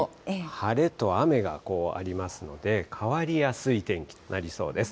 晴れと雨がありますので、変わりやすい天気となりそうです。